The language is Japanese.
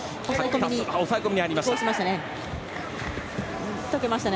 抑え込みに入りました。